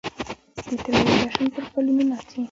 د طلايې جشن پرپلونو ناڅي